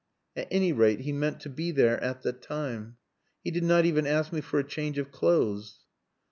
At any rate, he meant to be there at that time. He did not even ask me for a change of clothes."